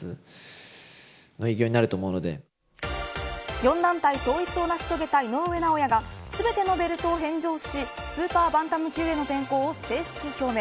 ４団体統一を成し遂げた井上尚弥が全てのベルトを返上しスーパーバンタム級への転向を正式表明。